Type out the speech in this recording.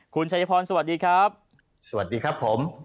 คุณชัยพรสวัสดีครับสวัสดีครับผม